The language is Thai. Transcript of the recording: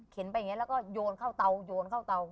เข็นไปแบบนี้แล้วก็โยนเข้าเตา